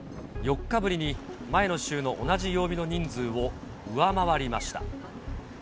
４日ぶりに前の週の同じ曜日の人数を上回りました。